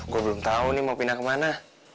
gue belum tahu nih mau pindah kemana